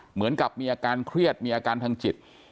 เหมือนกับมีอาการเครียดมีอาการทางจิต